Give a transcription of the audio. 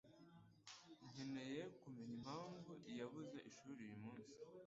Nkeneye kumenya impamvu yabuze ishuri uyu munsi.